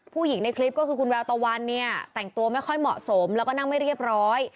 ในคลิปก็คือคุณแววตะวันเนี่ยแต่งตัวไม่ค่อยเหมาะสมแล้วก็นั่งไม่เรียบร้อย